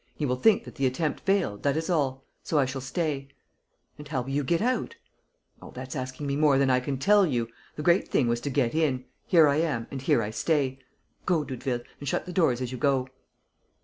He will think that the attempt failed, that is all, so I shall stay." "And how will you get out?" "Oh, that's asking me more than I can tell you! The great thing was to get in. Here I am, and here I stay. Go, Doudeville, and shut the doors as you go."